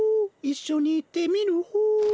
いっしょにいってみるホー。